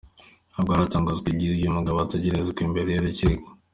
Ntabwo haratangazwa igihe uyu mugabo azagerezwa imbere y’ urukiko.